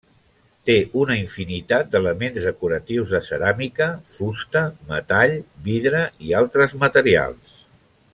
Té una infinitat d'elements decoratius de ceràmica, fusta, metall, vidre i altres materials.